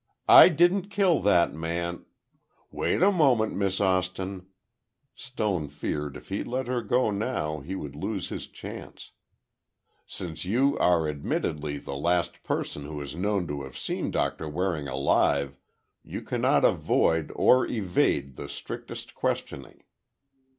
I didn't kill that man—" "Wait a moment, Miss Austin," Stone feared if he let her go now, he would lose his chance, "since you are admittedly the last person who is known to have seen Doctor Waring alive, you cannot avoid, or evade the strictest questioning.